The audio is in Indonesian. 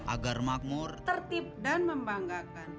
agar makmur tertib dan membanggakan